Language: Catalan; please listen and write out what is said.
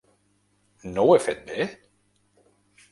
No ho he fet bé?